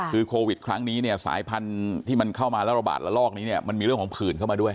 คือโควิดครั้งนี้เนี่ยสายพันธุ์ที่มันเข้ามาแล้วระบาดระลอกนี้เนี่ยมันมีเรื่องของผื่นเข้ามาด้วย